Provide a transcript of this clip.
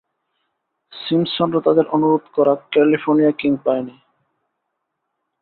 সিম্পসনরা তাদের অনুরোধ করা ক্যালিফোর্নিয়া কিং পায়নি।